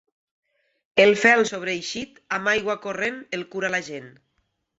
El fel sobreeixit, amb aigua corrent el cura la gent.